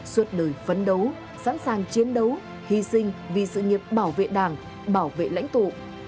suốt đời phấn đấu sẵn sàng chiến đấu hy sinh vì sự nghiệp bảo vệ đảng bảo vệ lãnh tụ